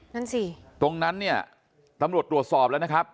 นั่นสิตรงนั้นเนี่ยตำรวจตรวจสอบแล้วนะครับ